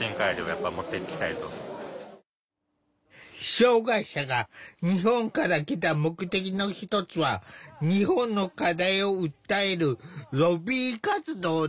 障害者が日本から来た目的の一つは日本の課題を訴えるロビー活動だ。